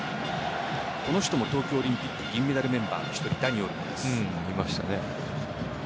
この人も東京オリンピック金メダルメンバーの１人ダニ・オルモです。